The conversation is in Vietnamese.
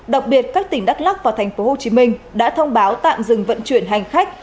đặc biệt các tỉnh đắk lắc và tp hcm đã thông báo tạm dừng vận chuyển hành khách